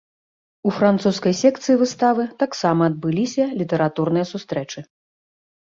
У французскай секцыі выставы таксама адбыліся літаратурныя сустрэчы.